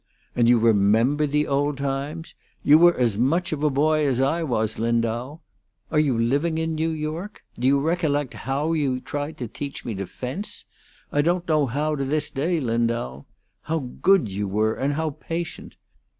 And you remember the old times? You were as much of a boy as I was, Lindau. Are you living in New York? Do you recollect how you tried to teach me to fence? I don't know how to this day, Lindau. How good you were, and how patient!